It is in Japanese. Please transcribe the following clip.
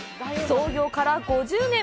創業から５０年。